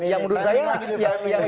yang menurut saya harus